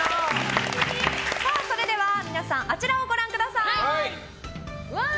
それでは皆さんあちらをご覧ください。